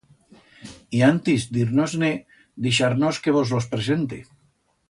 Y antis d'ir-nos-ne, dixar-nos que vos los presente.